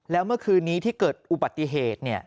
แล้วเมื่อคืนนี้ที่เกิดอุบัติเหตุ